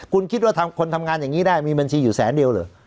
คุณคิดว่าคนทำงานอย่างนี้ได้มีบัญชีอยู่แสนเดียวเหรอ